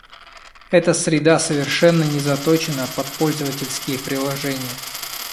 Эта среда совершенно не заточена под пользовательские приложения